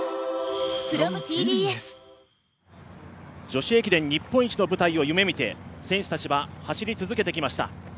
女子駅伝日本一の舞台を夢見て、選手たちは走り続けてきました。